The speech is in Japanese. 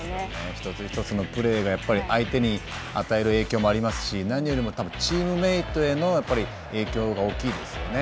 一つ一つのプレーが相手に与える影響もありますし何よりもチームメイトへのやっぱり影響が大きいですよね